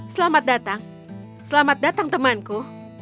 selamat datang selamat datang temanku